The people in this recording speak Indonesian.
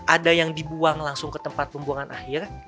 ada yang dibuang langsung ke tempat pembuangan akhir